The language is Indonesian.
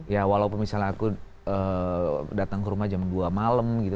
ya walaupun misalnya aku datang ke rumah jam dua malam gitu